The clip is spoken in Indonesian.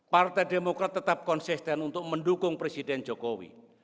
partai demokrat tetap konsisten untuk mendukung presiden jokowi